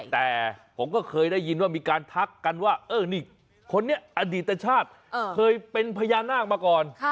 แต่ผมก็เคยได้ยินว่ามีการทักกันว่าเออนี่คนนี้อดีตชาติเคยเป็นพญานาคมาก่อน